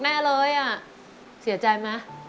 แน่เลยอะเสียใจไหม